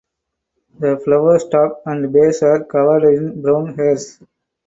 The flower stalk and base are covered in brown hairs.